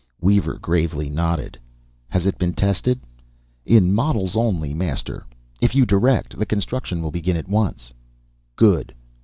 Weaver gravely nodded. "Has it been tested?" "In models only, Master. If You direct, the construction will begin at once." "Good.